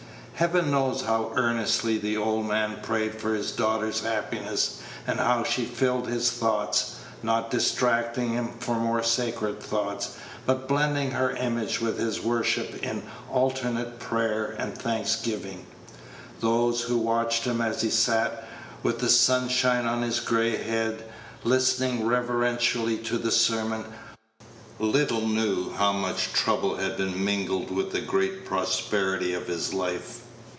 Heaven knows how earnestly the old man prayed for his daughter's happiness, and how she filled his thoughts; not distracting him from more sacred thoughts, but blending her image with his worship in alternate prayer and thanksgiving. Those who watched him as he sat, with the sunshine on his gray head, listening reverentially to the sermon, little knew how much trouble had been mingled with the great prosperity of his life.